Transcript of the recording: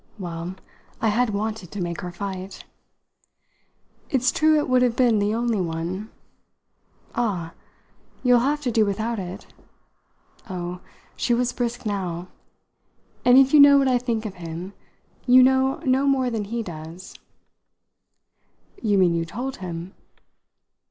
Well, I had wanted to make her fight! "It's true it would have been the only one." "Ah, you'll have to do without it!" Oh, she was brisk now. "And if you know what I think of him, you know no more than he does." "You mean you told him?"